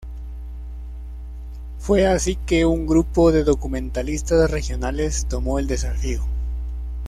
Fue así que un grupo de documentalistas regionales tomó el desafío.